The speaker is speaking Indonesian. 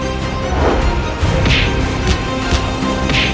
saya akan menjaga kebenaran raden